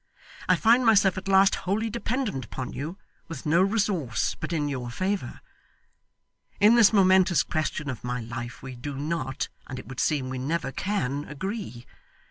I find myself at last wholly dependent upon you, with no resource but in your favour. In this momentous question of my life we do not, and it would seem we never can, agree.